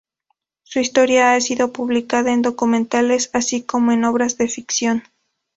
Su historia ha sido publicada en documentales así como en obras de ficción.